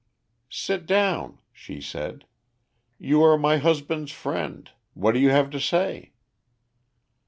"Sit down," she said. "You are my husband's friend. What have you to say?"